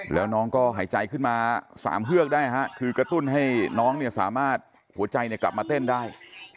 แล้วน้องก็หายใจขึ้นมา๓เฮือกได้คือกระตุ้นให้น้องสามารถหัวใจกลับมาเต้นได้